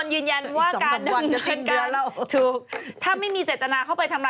ซึ่งตนยืนยันว่า